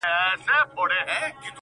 دا ربات یې دی هېر کړی له پېړیو!!